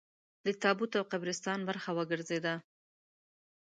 د تابوت او قبرستان برخه وګرځېده.